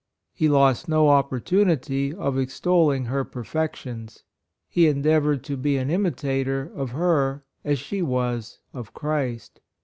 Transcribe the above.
He lost no opportunity of extolling her perfections. He endeavored to be an imitator of her as she was of Christ.